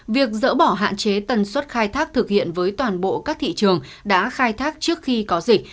việc dỡ bỏ hạn chế tần suất khai thác thực hiện với toàn bộ các thị trường đã khai thác trước khi có dịch